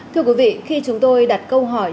thưa quý vị khi chúng tôi đặt câu hỏi